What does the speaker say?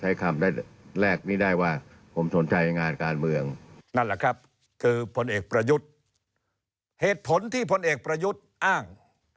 เหตุผลที่ผลเอกประยุทธ์อ้าง